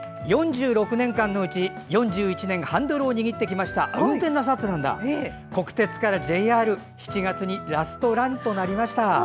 ４６年間のうち４１年ハンドルを握ってきましたが国鉄からＪＲ７月にラストランとなりました。